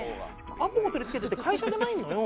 アポを取り付けてって会社じゃないのよ。